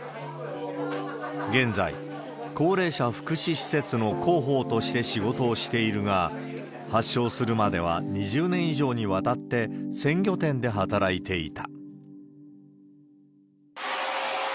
現在、高齢者福祉施設の広報として仕事をしているが、発症するまでは２０年以上にわたって、鮮魚店で働いていた。